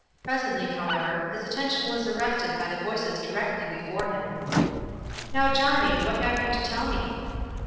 Presently, however, his attention was arrested by the voices directly before him. "Now, Johnny, what have you to tell me?"